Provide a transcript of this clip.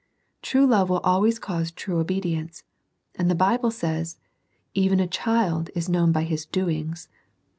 True love will always cause true obedience, and the Bible says, "Even a child is known by his doings."